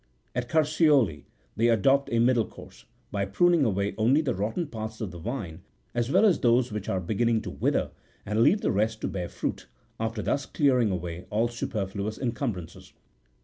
At Carseoli they adopt a middle course, by pruning away only the rotten parts of the vine, as well as those which are beginning to wither, and leaving the rest to bear fruit, after thus clearing away all superfluous incumbrances.